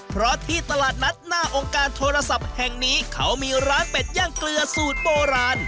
เพราะที่ตลาดนัดหน้าองค์การโทรศัพท์แห่งนี้เขามีร้านเป็ดย่างเกลือสูตรโบราณ